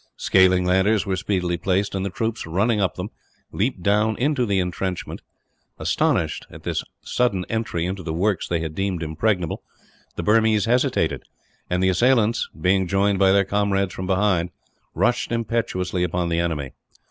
Scaling ladders were speedily placed and the troops, running up them, leaped down into the entrenchment. Astounded at this sudden entry into the works they had deemed impregnable, the Burmese hesitated; and the assailants, being joined by their comrades from behind, rushed impetuously upon the enemy.